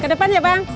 ke depan ya bang